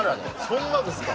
そんなですか？